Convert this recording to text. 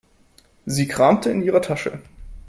Sie kramte in ihrer Tasche.